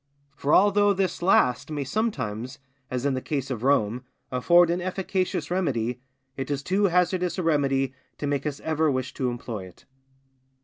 For although this last may sometimes, as in the case of Rome, afford an efficacious remedy, it is too hazardous a remedy to make us ever wish to employ it.